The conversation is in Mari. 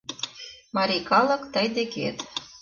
Марий калык, тый декет